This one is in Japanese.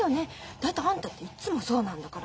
大体あんたっていっつもそうなんだから。